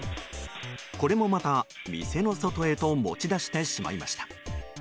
これもまた店の外へと持ち出してしまいました。